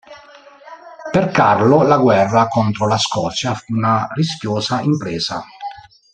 Per Carlo, la guerra contro la Scozia fu una rischiosa impresa.